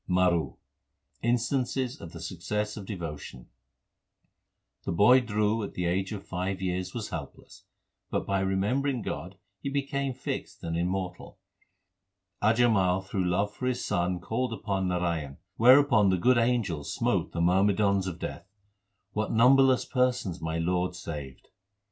MARU Instances of the success of devotion : The boy Dhru at the age of five years was helpless, but by remembering God he became fixed and immortal. Ajamal through love for his son called upon Narayan, whereupon the good angels smote the myrmidons of Death. What numberless persons my Lord saved